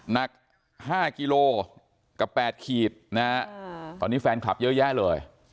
หนัก๕กิโลกรัมกับแปดขีดตอนนี้แฟนคลับเยอะแยะเลย